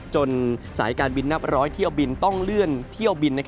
สายการบินนับร้อยเที่ยวบินต้องเลื่อนเที่ยวบิน